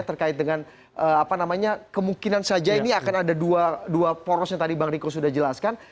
terkait dengan kemungkinan saja ini akan ada dua poros yang tadi bang riko sudah jelaskan